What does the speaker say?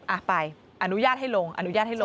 อ่ะไปอนุญาตให้ลงนะ